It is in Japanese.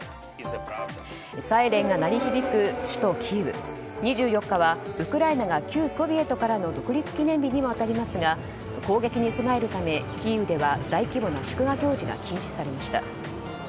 サイレンが鳴り響く首都キーウ２４日はウクライナが旧ソビエトからの独立記念日にも当たりますが攻撃に備えるため、キーウでは大規模な祝賀行事が禁止されました。